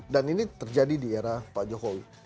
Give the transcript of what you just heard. dan ini terjadi di era pak jokowi